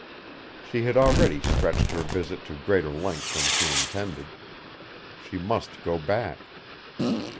She had already stretched her visit to greater length than she intended. She must go back.